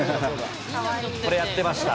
これやってました。